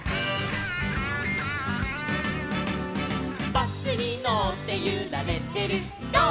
「バスにのってゆられてるゴー！